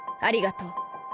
ありがとう。